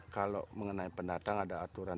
kalau mengenai pendatang ada aturan